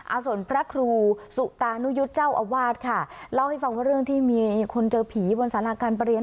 ส่วนพระครูสุตานุยุทธ์เจ้าอาวาสค่ะเล่าให้ฟังว่าเรื่องที่มีคนเจอผีบนสาราการประเรียน